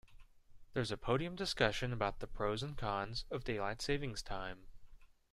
There's a podium discussion about the pros and cons of daylight saving time.